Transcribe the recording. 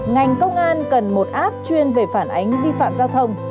ngành công an cần một app chuyên về phản ánh vi phạm giao thông